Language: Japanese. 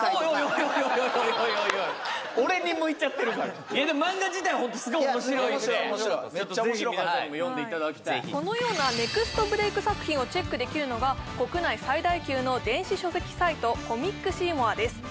漫画かいや漫画自体はホントすごい面白いんでぜひ皆さんにも読んでいただきたいこのようなネクストブレイク作品をチェックできるのが国内最大級の電子書籍サイトコミックシーモアです